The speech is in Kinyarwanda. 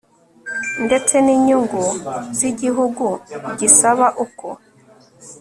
ndetse n inyungu z igihugu gisaba uko